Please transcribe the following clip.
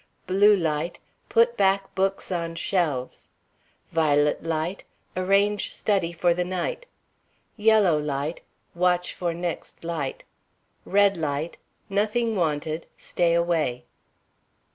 Blue light Put back books on shelves. Violet light Arrange study for the night. Yellow light Watch for next light. Red light Nothing wanted; stay away.